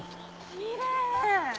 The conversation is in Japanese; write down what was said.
きれい！